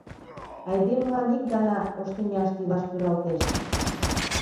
Айдемылан ик гана ош тӱняште илаш пӱралтеш.